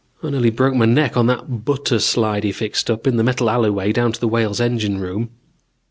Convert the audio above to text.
I nearly broke my neck on that butter slide he fixed up in the metal alleyway to the Whale's engine room.